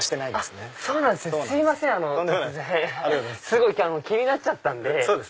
すごい気になっちゃったんで。